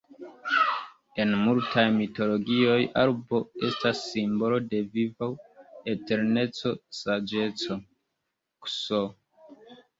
En multaj mitologioj arbo estas simbolo de vivo, eterneco, saĝeco, ks.